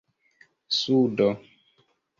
sudo